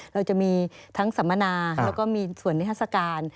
เราจะมีทั้งสัมมนาแล้วก็มีส่วนนิทัศกาล